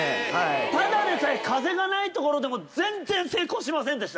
ただでさえ風がない所でも、全然成功しませんでした。